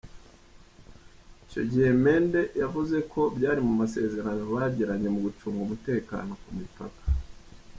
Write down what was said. Icyo gihe Mende yavuze ko byari mu masezerano bagiranye mu gucunga umutekano ku mipaka.